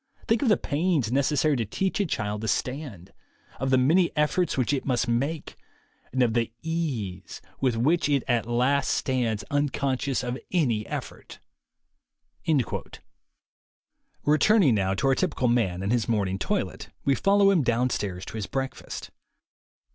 Think of the pains necessary to teach a child to stand, of the many efforts which it must make, and of the ease with which it at last stands, unconscious of any effort." Returning now to our typical man and his morn ing toilet, we follow him downstairs to his break fast.